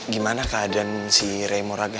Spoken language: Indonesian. gimana keadaan si ray moraga